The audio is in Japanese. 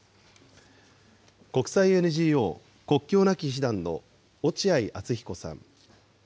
国際ＮＧＯ国境なき医師団の落合厚彦さん。